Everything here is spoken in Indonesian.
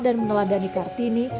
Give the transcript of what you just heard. dan mengelandani kartini